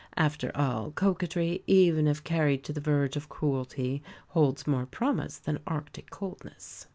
After all, coquetry, even if carried to the verge of cruelty, holds more promise than Arctic coldness.